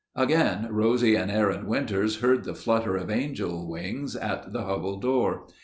Again Rosie and Aaron Winters heard the flutter of angel wings at the hovel door.